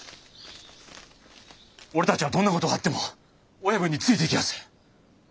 俺たちはどんな事があっても親分についていきやす！